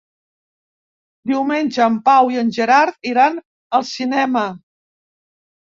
Diumenge en Pau i en Gerard iran al cinema.